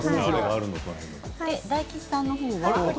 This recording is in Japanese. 大吉さんの方は？